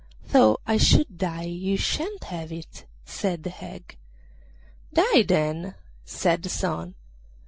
'Though I should die you shan't have that,' said the hag. 'Die, then,' said the son.